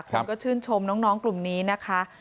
คนก็ชื่นชมน้องกลุ่มนี้นะคะ